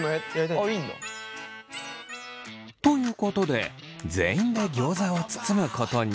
ということで全員でギョーザを包むことに。